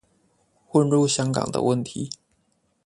混入香港的問題